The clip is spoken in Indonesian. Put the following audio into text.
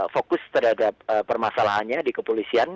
fokus terhadap permasalahannya di kepolisian